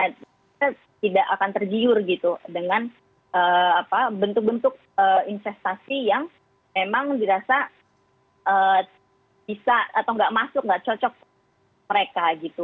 kita tidak akan tergiur gitu dengan bentuk bentuk investasi yang memang dirasa bisa atau nggak masuk nggak cocok mereka gitu